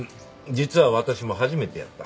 実は私も初めてやった。